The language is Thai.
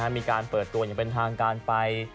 มีการเปิดตัวอย่างเป็นทางการไป